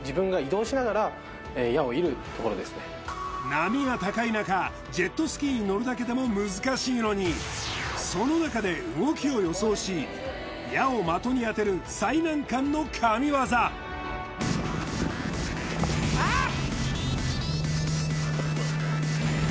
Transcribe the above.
波が高い中ジェットスキーに乗るだけでも難しいのにその中で動きを予想し矢を的に当てる最難関の神業ああっ！